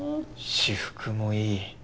私服もいい。